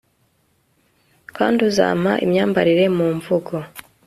kandi uzampa imyambarire mu mvugo